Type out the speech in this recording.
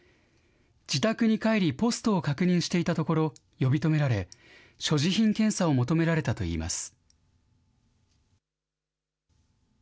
自宅に帰り、ポストを確認していたところ、呼び止められ、所持品検査を求められたといいます。